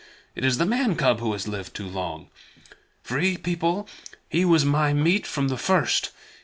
It is the man cub who has lived too long. Free People, he was my meat from the first.